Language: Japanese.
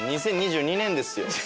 ２０２２年ですよ。